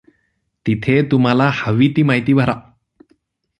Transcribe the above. तिथे तुम्हाला हवी ती माहिती भरा.